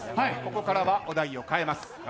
ここからはお題を変えます。